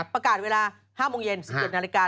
ประกาศเวลา๕โมงเย็น๑๗นาฬิกา